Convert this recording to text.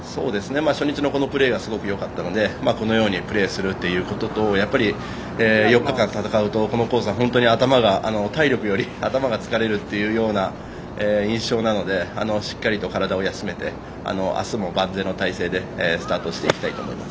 初日のこのプレーがすごくよかったのでこのようにプレーすることと４日間戦うと、このコースは体力より頭が疲れるという印象なのでしっかりと体を休めて明日も万全の態勢でスタートしていきたいと思います。